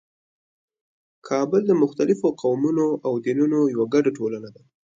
کابل د مختلفو قومونو او دینونو یوه ګډه ټولنه ده.